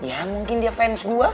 ya mungkin dia fans gue